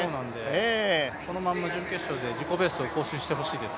このまま準決勝で自己ベストを更新してほしいです。